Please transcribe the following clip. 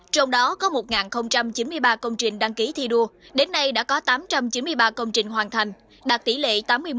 trong đó có một chín mươi ba công trình đăng ký thi đua đến nay đã có tám trăm chín mươi ba công trình hoàn thành đạt tỷ lệ tám mươi một